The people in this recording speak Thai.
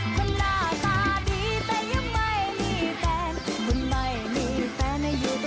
คนหน้าตาดีแต่ยังไม่มีแฟน